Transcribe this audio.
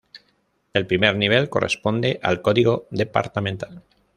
El primer nivel corresponde al código departamental.